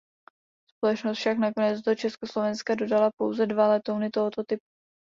Společnost však nakonec do Československa dodala pouze dva letouny tohoto typu.